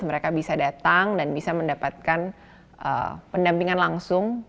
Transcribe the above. mereka bisa datang dan bisa mendapatkan pendampingan langsung